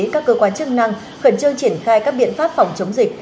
các cơ quan chức năng khẩn trương triển khai các biện pháp phòng chống dịch